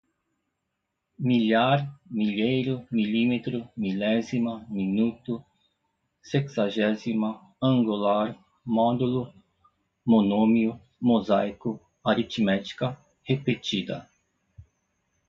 milhar, milheiro, milímetro, milésima, minuto, sexagésima, angular, módulo, monômio, mosaico, aritmética, repetida